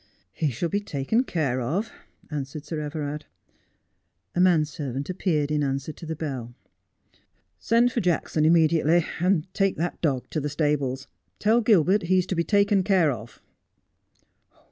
' He shall be taken care of,' answered Sir Everard. A man servant appeared in answer to the bell. ' Send for Jackson immediately, and take that dog to the stables. Tell Gilbert he is to be taken care of.'